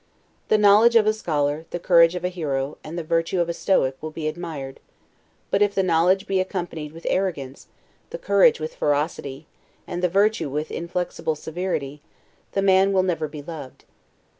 The knowledge of a scholar, the courage of a hero, and the virtue of a Stoic, will be admired; but if the knowledge be accompanied with arrogance, the courage with ferocity, and the virtue with inflexible severity, the man will never be loved.